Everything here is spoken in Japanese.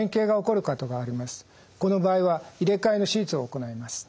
この場合は入れ替えの手術を行います。